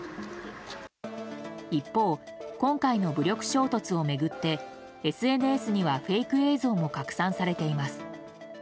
一方、今回の武力衝突を巡ってＳＮＳにはフェイク映像も拡散されています。